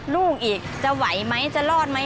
ลูกอีกจะไหวไหมจะรอดไหม